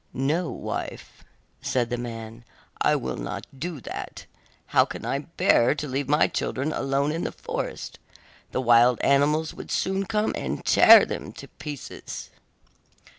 'No, wife,' said the man, 'I will not do that; how can I bear to leave my children alone in the forest? the wild animals would soon come and tear them to pieces.